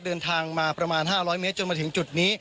เดินทางมาประมาณ๕๐๐เมตรจนมาถึงจุดนี้